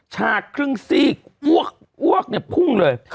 ชาติครึ่งซีกววกววกพุ่งเลย